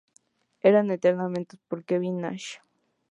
Eran entrenados por Kevin Nash.